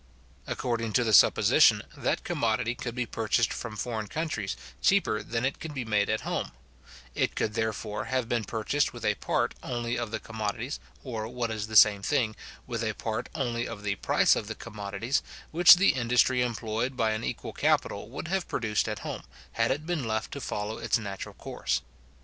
According to the supposition, that commodity could be purchased from foreign countries cheaper than it can be made at home; it could therefore have been purchased with a part only of the commodities, or, what is the same thing, with a part only of the price of the commodities, which the industry employed by an equal capital would have produced at home, had it been left to follow its natural course.